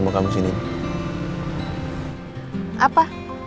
ihh kamu tuh ya